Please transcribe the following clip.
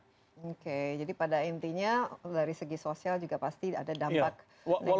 oke jadi pada intinya dari segi sosial juga pasti ada dampak negatif